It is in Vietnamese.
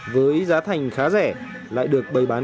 với giá thành khá rẻ lại được bày bán